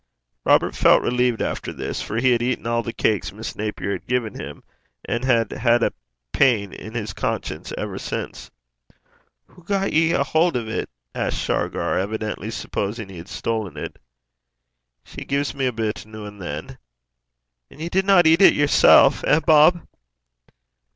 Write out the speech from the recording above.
Robert felt relieved after this, for he had eaten all the cakes Miss Napier had given him, and had had a pain in his conscience ever since. 'Hoo got ye a haud o' 't?' asked Shargar, evidently supposing he had stolen it. 'She gies me a bit noo and than.' 'And ye didna eat it yersel'? Eh, Bob!'